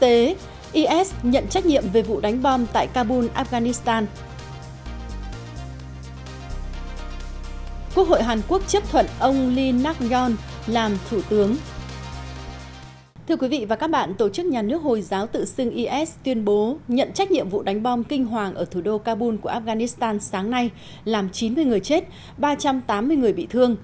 thưa quý vị và các bạn tổ chức nhà nước hồi giáo tự xưng is tuyên bố nhận trách nhiệm vụ đánh bom kinh hoàng ở thủ đô kabul của afghanistan sáng nay làm chín mươi người chết ba trăm tám mươi người bị thương